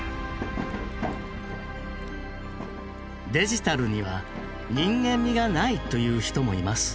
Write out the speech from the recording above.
デジタルには人間味がないという人もいます。